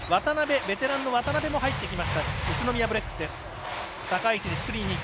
ベテランの渡邉も入ってきた宇都宮ブレックス。